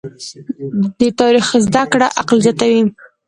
د تاریخ زده کړه عقل زیاتوي.